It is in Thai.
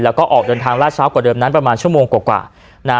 แล้วก็ออกเดินทางลาดเช้ากว่าเดิมนั้นประมาณชั่วโมงกว่านะฮะ